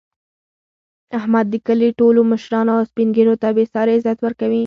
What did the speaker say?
احمد د کلي ټولو مشرانو او سپین ږېرو ته بې ساري عزت ورکوي.